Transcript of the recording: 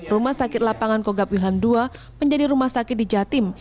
rumah sakit lapangan kogab wilhan ii menjadi rumah sakit di jatim